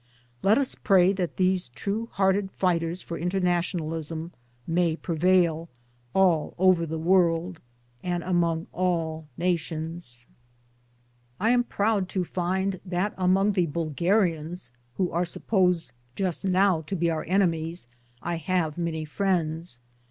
Let us pray that these true hearted fighters for Internationalism may prevail all over the world, and among all nations ;J 280 MY DAYS AND DREAMS I am proud to find that among the Bulgarians who are supposed just now to be our enemies I have many friends.